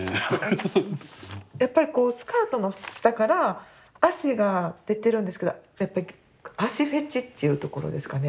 やっぱりスカートの下から足が出てるんですけど足フェチっていうところですかね。